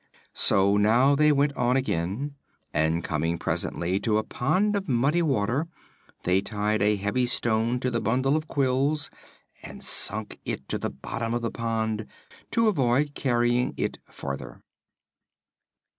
So now they went on again and coming presently to a pond of muddy water they tied a heavy stone to the bundle of quills and sunk it to the bottom of the pond, to avoid carrying it farther.